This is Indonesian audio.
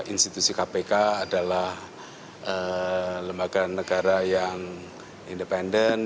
institusi kpk adalah lembaga negara yang independen